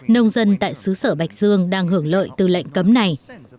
nông dân tại xứ sở bạch dương đang hưởng lợi từ lệnh cấm này